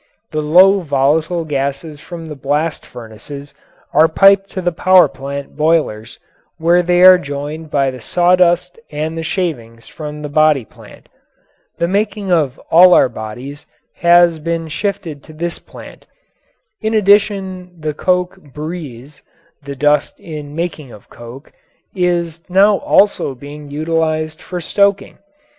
The low volatile gases from the blast furnaces are piped to the power plant boilers where they are joined by the sawdust and the shavings from the body plant the making of all our bodies has been shifted to this plant and in addition the coke "breeze" (the dust in the making of coke) is now also being utilized for stoking.